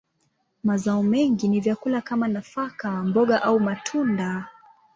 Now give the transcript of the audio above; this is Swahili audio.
Mazao mengi ni vyakula kama nafaka, mboga, au matunda.